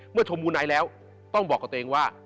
เมื่อชมบูนัยแล้วต้องบอกกับตัวเองว่า